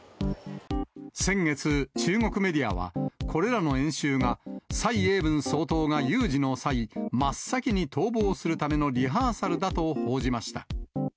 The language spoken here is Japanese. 先月、中国メディアは、これらの演習が蔡英文総統が有事の際、真っ先に逃亡するためのリハーサルだと報じました。